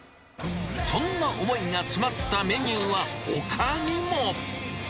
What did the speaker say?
そんな思いが詰まったメニューはほかにも。